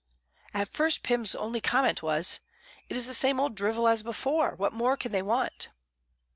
At first Pym's only comment was, "It is the same old drivel as before; what more can they want?"